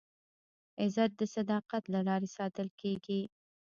عزت د صداقت له لارې ساتل کېږي.